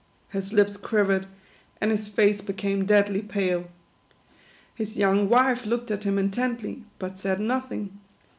His lips quivered, and his face became deadly pale. His young wife looked at him intently, but said nothing.